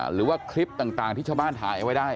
หรือว่าคลิปต่างที่ชาวบ้านถ่ายเอาไว้ได้